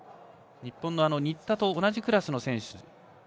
日本の新田と同じクラスの選手